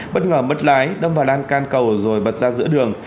bất ngờ mất lái đâm vào lan can cầu rồi bật ra giữa đường